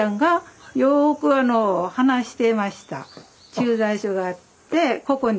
駐在所があってここに。